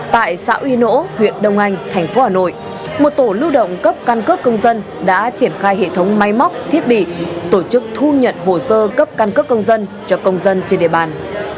tại xã uy nỗ huyện đông anh thành phố hà nội một tổ lưu động cấp căn cước công dân đã triển khai hệ thống máy móc thiết bị tổ chức thu nhận hồ sơ cấp căn cước công dân cho công dân trên địa bàn